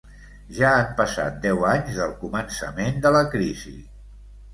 Ja han passat deu anys del començament de la crisi.